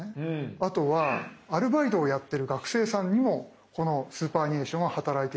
あとはアルバイトをやってる学生さんにもこのスーパーアニュエーションが働いてくれるので。